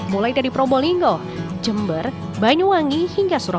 mulai dari probolinggo jember banyuwangi dan jembalan